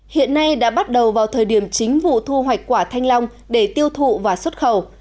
hiện nay đã bắt đầu vào thời điểm chính vụ thu hoạch quả thanh long để tiêu thụ và xuất khẩu